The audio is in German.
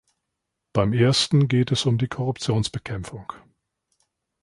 Beim ersten geht es um die Korruptionsbekämpfung.